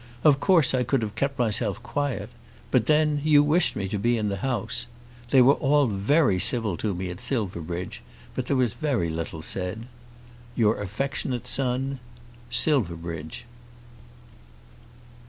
Of course I could have kept myself quiet; but then you wished me to be in the House. They were all very civil to me at Silverbridge, but there was very little said. Your affectionate Son, SILVERBRIDGE.